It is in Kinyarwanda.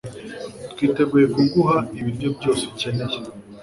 twiteguye kuguha ibiryo byose ukeneye